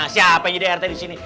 siapa yang jadi rt disini